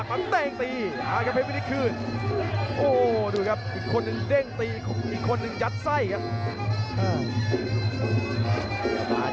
โอ้โหดูครับอีกคนนึงเด้งตีอีกคนนึงยัดไส้ครับ